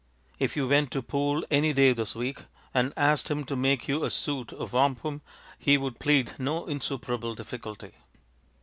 If you went to Poole any day this week and asked him to make you a suit of wampum he would plead no insuperable difficulty.